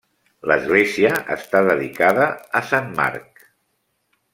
L'església està dedicada a sant Marc.